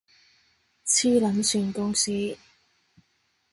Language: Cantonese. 黐撚線公司